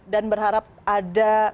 dan berharap ada